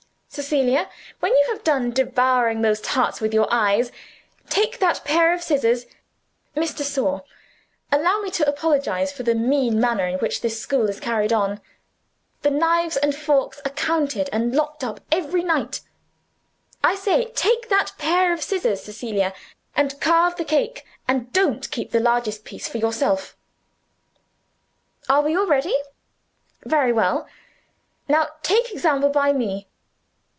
Cecilia, when you have done devouring those tarts with your eyes, take that pair of scissors (Miss de Sor, allow me to apologize for the mean manner in which this school is carried on; the knives and forks are counted and locked up every night) I say take that pair of scissors, Cecilia, and carve the cake, and don't keep the largest bit for yourself. Are we all ready? Very well. Now take example by me.